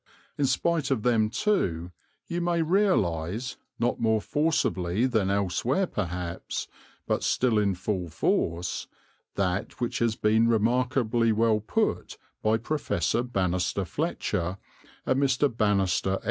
In spite of them, too, you may realize, not more forcibly than elsewhere perhaps, but still in full force, that which has been remarkably well put by Professor Banister Fletcher and Mr. Banister F.